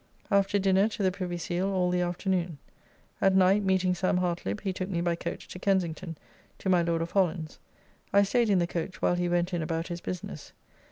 After dinner to the Privy Seal all the afternoon. At night, meeting Sam. Hartlibb, he took me by coach to Kensington, to my Lord of Holland's; I staid in the coach while he went in about his business.